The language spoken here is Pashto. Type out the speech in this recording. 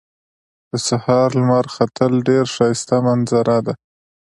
د سهار لمر ختل ډېر ښایسته منظره ده